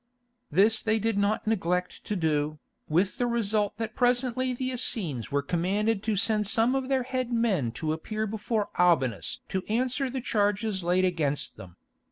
This they did not neglect to do, with the result that presently the Essenes were commanded to send some of their head men to appear before Albinus to answer the charges laid against them.